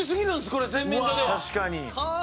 これ洗面所では。